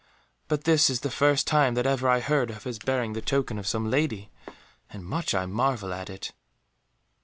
But this is the first time that ever I heard of his bearing the token of some lady, and much I marvel at it."